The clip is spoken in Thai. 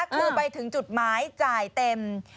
คือไปถึงจุดหมายจ่ายเต็ม